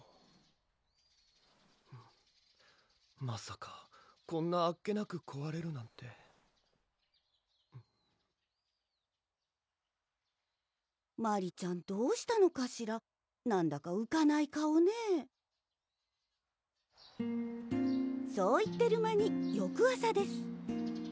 まさかこんなあっけなくこわれるなんてマリちゃんどうしたのかしらなんだかうかない顔ねぇそう言ってる間に翌朝です